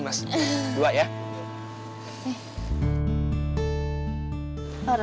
gak ada yang mau nanya